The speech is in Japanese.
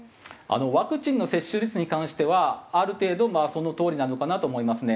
ワクチンの接種率に関してはある程度そのとおりなのかなと思いますね。